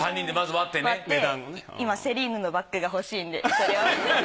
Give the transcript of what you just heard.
割って今セリーヌのバッグが欲しいんでそれを。